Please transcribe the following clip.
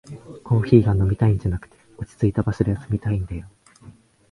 コーヒーが飲みたいんじゃなくて、落ちついた場所で休みたいんだよ